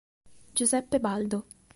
Giuseppe Baldo